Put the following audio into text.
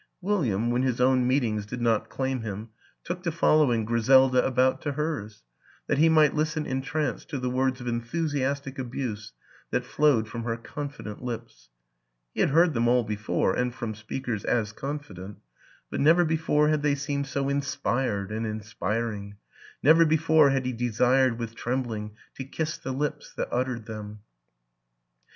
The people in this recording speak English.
William, when his own meetings did not claim him, took to following Griselda about to hers, that he might listen entranced to the words of en thusiastic abuse that flowed from her confident lips; he had heard them all before and from speakers as confident, but never before had they seemed so inspired and inspiring, never before had he desired with trembling to kiss the lips that uttered them.